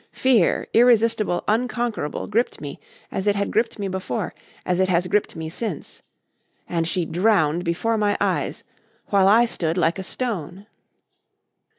Fear irresistible, unconquerable, gripped me as it had gripped me before, as it has gripped me since. And she drowned before my eyes while I stood like a stone."